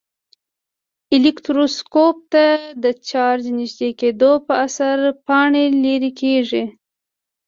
الکتروسکوپ ته د چارج نژدې کېدو په اثر پاڼې لیري کیږي.